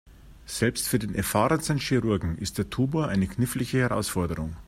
Selbst für den erfahrensten Chirurgen ist der Tumor eine knifflige Herausforderung.